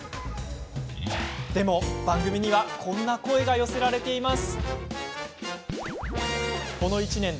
でも番組にはこんな声が寄せられています。